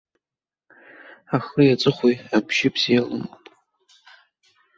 Ахи аҵыхәеи абжьы бзиа лымоуп.